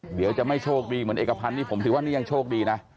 เดี๋ยวจะไม่โชคดีเหมือนเอกพันธ์นี่ผมถือว่านี่ยังโชคดีนะ